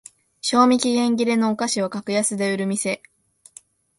賞味期限切れのお菓子を格安で売るお店